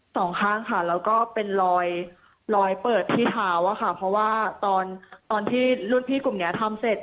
สองข้างค่ะแล้วก็เป็นรอยรอยเปิดที่เท้าอะค่ะเพราะว่าตอนตอนที่รุ่นพี่กลุ่มเนี้ยทำเสร็จ